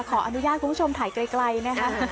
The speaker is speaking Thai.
ขออนุญาตคุณผู้ชมถ่ายไกลนะคะ